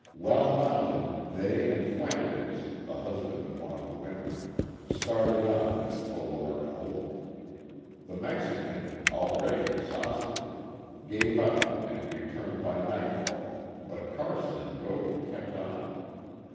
Well mounted, they and Fuentes, the husband of one of the women, started on this forlorn hope. The Mexican, already exhausted, gave out and returned by nightfall, but Carson and Godey kept on.